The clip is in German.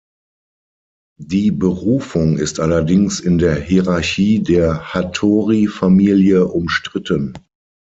Die Berufung ist allerdings in der Hierarchie der Hattori-Familie umstritten.